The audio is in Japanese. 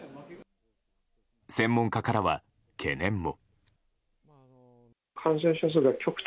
専門家からは懸念も。